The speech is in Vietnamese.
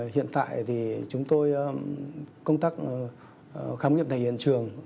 hiện tại thì chúng tôi công tác khám nghiệm tại hiện trường